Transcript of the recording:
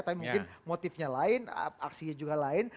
tapi mungkin motifnya lain aksinya juga lain